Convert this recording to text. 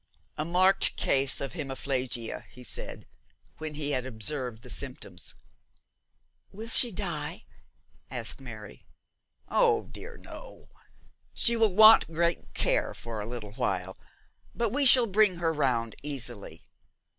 'A marked case of hemiplegia,' he said, when he had observed the symptoms. 'Will she die?' asked Mary. 'Oh, dear, no! She will want great care for a little while, but we shall bring her round easily.